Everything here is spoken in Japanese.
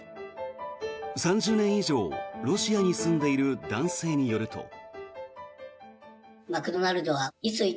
３０年以上ロシアに住んでいる男性によると。